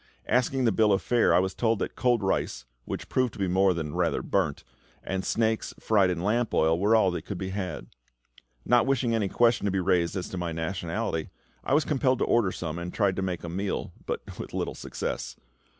Asking the bill of fare, I was told that cold rice which proved to be more than "rather burnt" and snakes, fried in lamp oil, were all that could be had. Not wishing any question to be raised as to my nationality, I was compelled to order some, and tried to make a meal, but with little success.